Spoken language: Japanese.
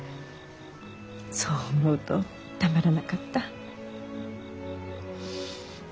そう思うとたまらなかった。